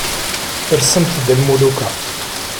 Rsemt-d a lmuluka.